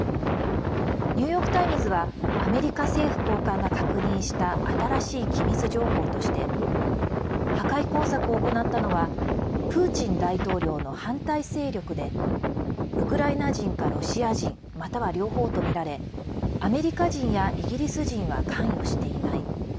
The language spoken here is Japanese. ニューヨーク・タイムズはアメリカ政府高官が確認した新しい機密情報として破壊工作を行ったのはプーチン大統領の反対勢力でウクライナ人かロシア人または両方とみられアメリカ人やイギリス人は関与していない。